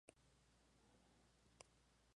¿no bebíais?